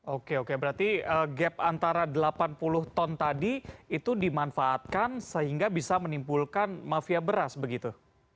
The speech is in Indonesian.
oke oke berarti gap antara delapan puluh ton tadi itu dimanfaatkan sehingga bisa menimbulkan mafia beras begitu